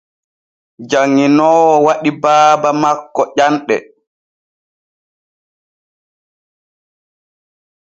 Janŋinoowo waɗi baaba makko ƴanɗe.